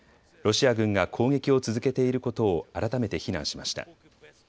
ロシア軍が攻撃を続けていることを改めて非難しました。